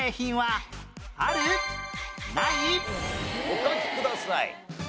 お書きください。